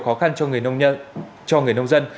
khó khăn cho người nông dân